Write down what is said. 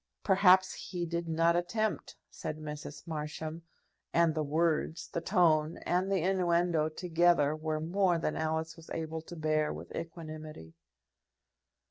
"Perhaps he did not attempt," said Mrs. Marsham; and the words, the tone, and the innuendo together were more than Alice was able to bear with equanimity.